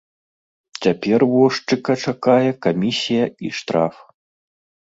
Цяпер возчыка чакае камісія і штраф.